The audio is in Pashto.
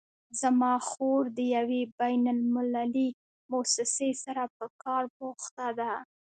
زما خور د یوې بین المللي مؤسسې سره په کار بوخته ده